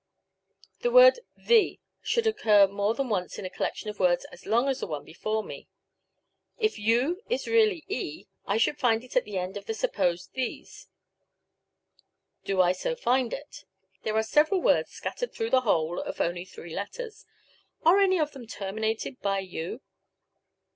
The word the should occur more than once in a collection of words as long as the one before me. If U is really e, I should find it at the end of the supposed thes. Do I so find it? There are several words scattered through the whole, of only three letters. Are any of them terminated by U?